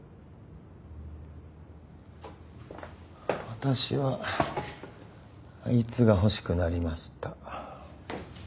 私はあいつが欲しくなりました。